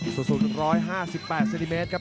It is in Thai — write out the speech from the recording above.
สูง๑๕๘เซนติเมตรครับ